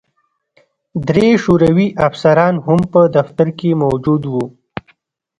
درې شوروي افسران هم په دفتر کې موجود وو